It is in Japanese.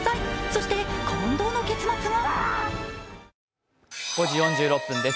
そして感動の結末は？